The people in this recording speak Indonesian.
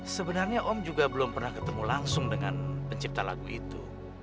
sebenarnya om juga belum pernah ketemu langsung dengan pencipta lagu itu